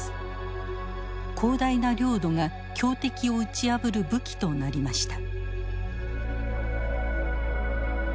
広大な領土が強敵を打ち破る武器となりました。